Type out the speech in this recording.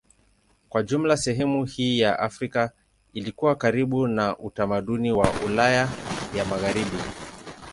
Kwa jumla sehemu hii ya Afrika ilikuwa karibu na utamaduni wa Ulaya ya Magharibi.